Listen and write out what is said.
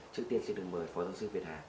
trước tiên xin được mời phó giáo sư việt hà